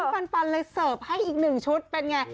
น้องปันเลยเสิร์ฟให้อีกหนึ่งชุดเป็นอย่างไร